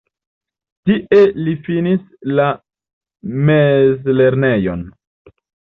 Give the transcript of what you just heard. Tie li finis la mezlernejon.